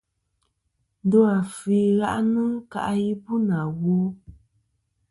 Ndo àfɨ i ghaʼnɨ kaʼ yì bu nà wo.